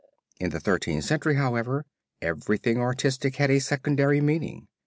In the Thirteenth Century, however, everything artistic had a secondary meaning.